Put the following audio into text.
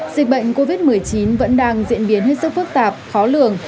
dịch bệnh covid một mươi chín vẫn đang diễn biến hết sức phức tạp khó lường